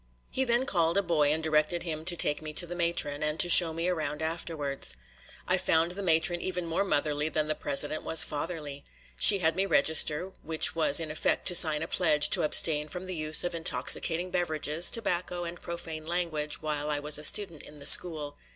He then called a boy and directed him to take me to the matron, and to show me around afterwards. I found the matron even more motherly than the president was fatherly. She had me register, which was in effect to sign a pledge to abstain from the use of intoxicating beverages, tobacco, and profane language while I was a student in the school.